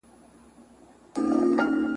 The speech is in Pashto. کتابونه، د ده د ميراث هغه غني برخه وه، چي